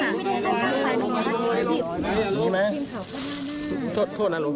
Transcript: ไม่ได้ครับข้างนี้แหละครับข้างนี้